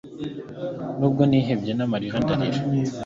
nubwo nihebye n'amarira ndarira